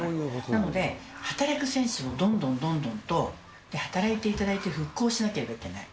なので、働く戦士をどんどんどんどんと、働いていただいて復興しなければいけない。